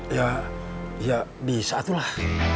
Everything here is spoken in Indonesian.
ya ya bisa tuh lah